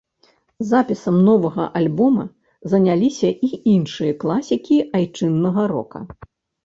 Запісам новага альбома заняліся і іншыя класікі айчыннага рока.